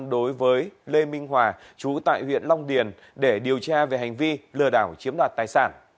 đối với lê minh hòa chú tại huyện long điền để điều tra về hành vi lừa đảo chiếm đoạt tài sản